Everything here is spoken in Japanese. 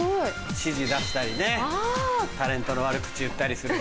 指示出したりねタレントの悪口言ったりする部屋だ。